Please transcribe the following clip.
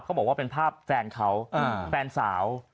บอกว่าเป็นภาพแฟนเขาแฟนสาว